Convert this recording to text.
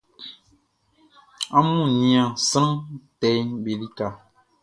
Amun nian sran tɛʼm be lika.